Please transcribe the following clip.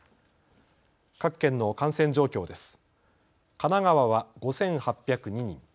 各県の感染状況です。